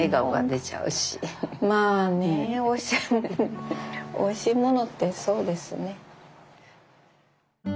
まあねおいしいものってそうですね。